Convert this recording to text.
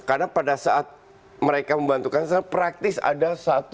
karena pada saat mereka membantukan serangan praktis ada satu dua tiga empat lima